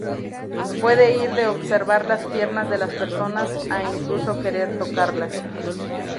Puede ir de observar las piernas de las personas a incluso querer tocarlas.